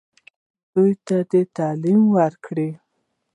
دوی ته تعلیم ورکړئ